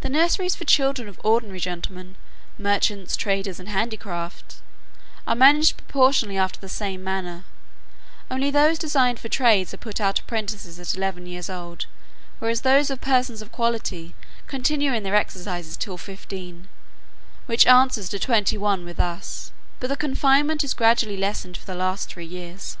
The nurseries for children of ordinary gentlemen, merchants, traders, and handicrafts, are managed proportionably after the same manner; only those designed for trades are put out apprentices at eleven years old, whereas those of persons of quality continue in their exercises till fifteen, which answers to twenty one with us: but the confinement is gradually lessened for the last three years.